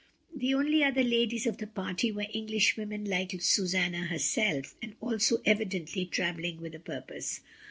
The only other ladies of the party were Englishwomen like Susanna herself, and also evidently travelling with a purpose.